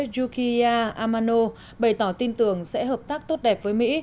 yukiya amano bày tỏ tin tưởng sẽ hợp tác tốt đẹp với mỹ